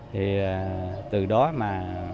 thì từ đó mà